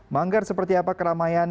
manggar seperti apa keramaian